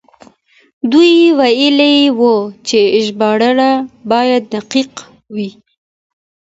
دوی ويلي وو چې ژباړه بايد دقيق وي.